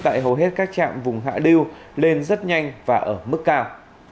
tại hầu hết các trạm vùng hạ lưu lên rất nhanh và ở mức cao